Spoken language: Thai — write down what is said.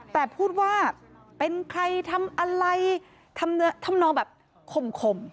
แต่พูดว่าเป็นใครทำอะไรทำนองแบบข่ม